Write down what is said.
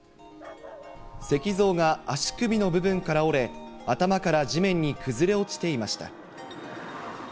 石像が足首の部分から折れ、頭から地面に崩れ落ちていました。